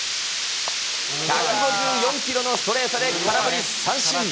１５４キロのストレートで空振り三振。